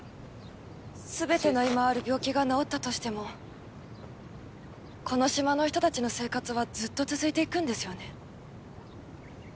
全ての今ある病気が治ったとしてもこの島の人たちの生活はずっと続いていくんですよね。